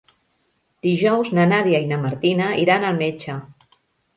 Dijous na Nàdia i na Martina iran al metge.